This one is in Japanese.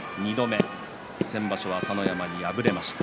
先場所は朝乃山に敗れました。